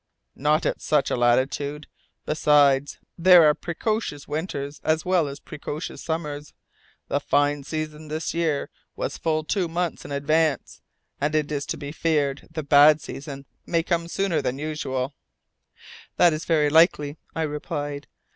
"Not at such a latitude. Besides, there are precocious winters as well as precocious summers. The fine season this year was full two months in advance, and it is to be feared the bad season may come sooner than usual." "That is very likely," I replied.